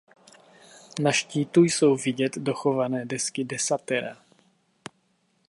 Na štítu jsou vidět dochované desky desatera.